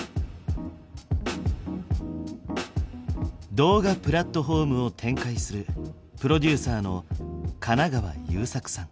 動画プラットフォームを展開するプロデューサーの金川雄策さん。